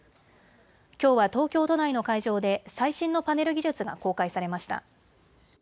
きょうは東京都内の会場で最新のパネル技術が公開されました。